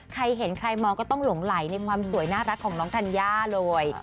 ใครเห็นใครมองก็ต้องหลงไหลในความสวยน่ารักของน้องธัญญาเลย